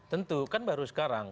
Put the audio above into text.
tentu kan baru sekarang